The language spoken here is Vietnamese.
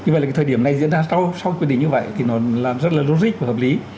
vì vậy là cái thời điểm này diễn ra sau quyết định như vậy thì nó làm rất là logic và hợp lý